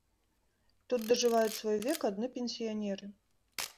Тут дажываюць свой век адны пенсіянеры.